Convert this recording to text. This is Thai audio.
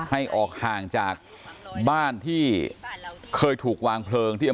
ให้ออกห่างจากบ้านที่เคยถูกวางคุณที่เกิดอะไรขึ้น